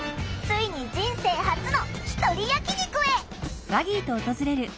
ついに人生初のひとり焼き肉へ！